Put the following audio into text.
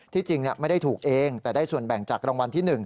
จริงไม่ได้ถูกเองแต่ได้ส่วนแบ่งจากรางวัลที่๑